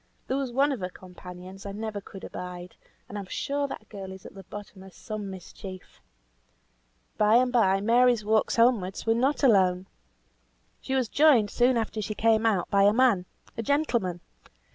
There was one of her companions I never could abide, and I'm sure that girl is at the bottom of some mischief. By and bye, Mary's walks homewards were not alone. She was joined soon after she came out, by a man; a gentleman.